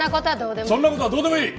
そんな事はどうでもいい。